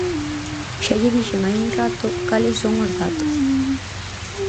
Xa lle dixen hai un rato cales son os datos.